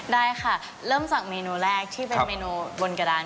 ได้ค่ะเริ่มจากเมนูแรกที่เป็นเมนูบนกระดาน